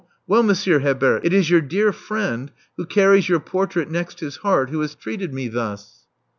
Well, Monsieur Herbert, it is your dear friend, who carries your portrait next his heart, who has treated me thus."